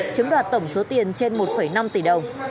chiếm đoạt tổng số tiền trên một năm tỷ đồng